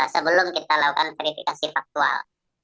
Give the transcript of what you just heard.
sebelum kita lakukan verifikasi faktual